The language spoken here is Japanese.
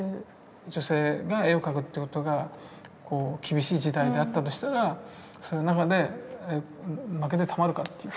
女性が絵を描くっていうことが厳しい時代だったとしたらその中で負けてたまるかっていうか。